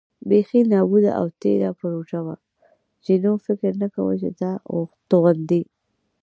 بېخي نابوده او تېره پرزه وه، جینو: فکر نه کوم چې دا توغندي.